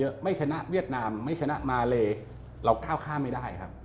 ไม่ชนะเวียดนามไม่ชนะมาเลเราก้าวข้ามไม่ได้ครับ